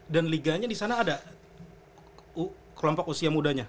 dan liganya disana ada kelompok usia mudanya